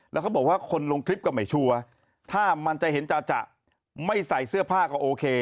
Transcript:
แล้วเขาบอกว่าคนลงคลิปก็ไม่ชัวร์ถ้ามันจะเห็นจ่ะไม่ใส่เสื้อผ้าก็โอเค